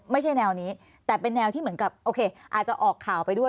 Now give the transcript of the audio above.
ไม่ใช่แนวนี้แต่เป็นแนวที่เหมือนกับโอเคอาจจะออกข่าวไปด้วย